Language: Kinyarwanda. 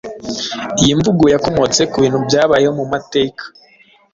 Iyi mvugo yakomotse ku bintu byabayeho mu mateka